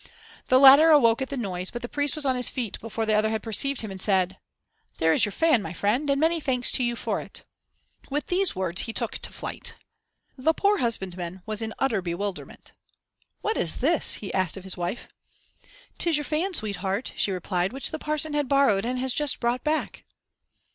The latter awoke at the noise, but the priest was on his feet before the other had perceived him, and said "There is your fan, my friend, and many thanks to you for it." With these words he took to flight. The poor husbandman was in utter bewilderment. "What is this?" he asked of his wife. "'Tis your fan, sweetheart," she replied, "which the parson had borrowed, and has just brought back."